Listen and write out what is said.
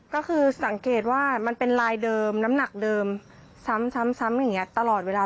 ก็คือสังเกตว่ามันเป็นลายเดิมน้ำหนักเดิมซ้ำอย่างนี้ตลอดเวลา